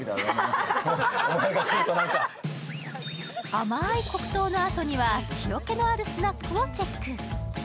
甘い黒糖のあとには塩けのあるスナックをチェック。